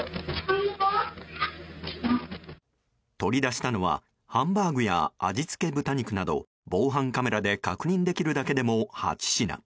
取り出したのはハンバーグや味付け豚肉など防犯カメラで確認できるだけでも８品。